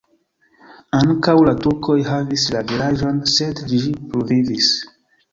Ankaŭ la turkoj havis la vilaĝon, sed ĝi pluvivis.